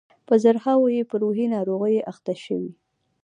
په زرهاوو یې په روحي ناروغیو اخته شوي.